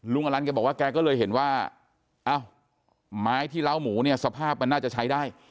อลันแกบอกว่าแกก็เลยเห็นว่าอ้าวไม้ที่เล้าหมูเนี่ยสภาพมันน่าจะใช้ได้